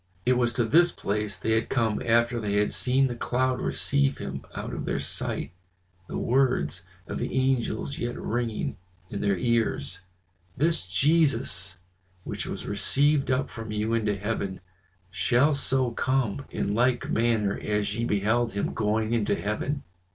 It was to this place they had come after they had seen the cloud receive him out of their sight, the words of the angels yet ringing in their ears: "This Jesus which was received up from you into heaven, shall so come in like manner as ye beheld him going into heaven."